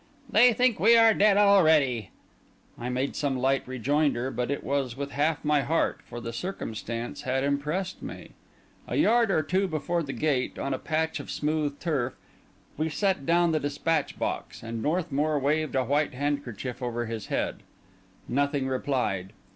"They think we are already dead." I made some light rejoinder, but it was with half my heart; for the circumstance had impressed me. A yard or two before the gate, on a patch of smooth turf, we set down the despatch box; and Northmour waved a white handkerchief over his head. Nothing replied.